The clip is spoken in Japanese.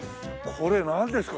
これなんですか？